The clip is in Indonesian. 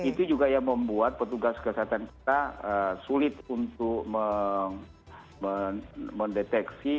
itu juga yang membuat petugas kesehatan kita sulit untuk mendeteksi